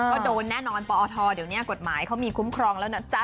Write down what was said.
ก็โดนแน่นอนปอทเดี๋ยวนี้กฎหมายเขามีคุ้มครองแล้วนะจ๊ะ